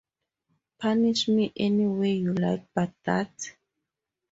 Punish me any way you like but that.